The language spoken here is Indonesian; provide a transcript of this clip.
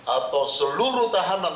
atau seluruh tahanan